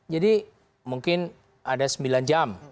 jadi mungkin ada sembilan jam